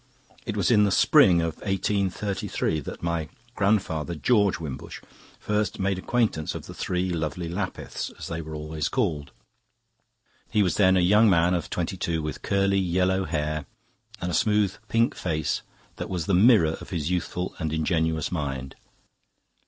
"It was in the spring of 1833 that my grandfather, George Wimbush, first made the acquaintance of the 'three lovely Lapiths,' as they were always called. He was then a young man of twenty two, with curly yellow hair and a smooth pink face that was the mirror of his youthful and ingenuous mind.